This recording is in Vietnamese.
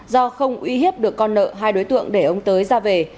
do không uy hiếp được con nợ hai đối tượng để ông tới ra về